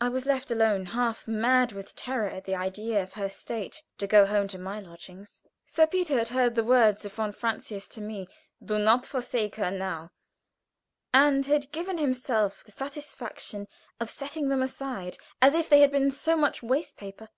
I was left alone, half mad with terror at the idea of her state, to go home to my lodgings. Sir Peter had heard the words of von Francius to me; "do not forsake her now," and had given himself the satisfaction of setting them aside as if they had been so much waste paper.